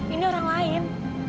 ini orang lain